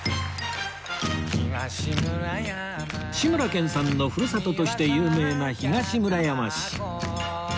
志村けんさんのふるさととして有名な東村山市